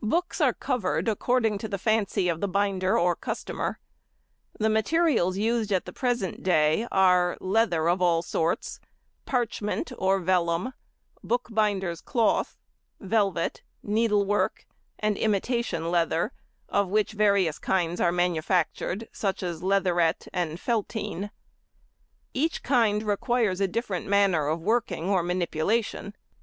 Books are covered according to the fancy of the binder or customer. The materials used at the present day, are—leather of all sorts, parchment or vellum, bookbinder's cloth, velvet, needle work, and imitation leather, of which various kinds are manufactured, such as leatherette and feltine. Each kind requires a different manner of working or manipulation.